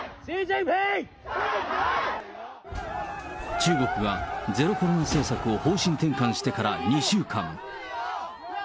中国がゼロコロナ政策を方針転換してから２週間。